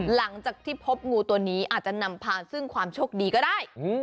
หลังจากที่พบงูตัวนี้อาจจะนำพาซึ่งความโชคดีก็ได้